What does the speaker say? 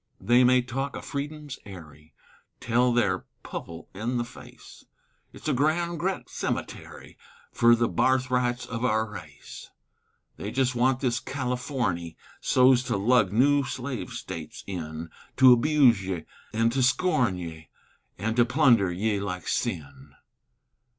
They may talk o' Freedom's airy Tell they're pupple in the face, It's a grand gret cemetary Fer the barthrights of our race; They jest want this Californy So's to lug new slave states in To abuse ye, an' to scorn ye, An' to plunder ye like sin.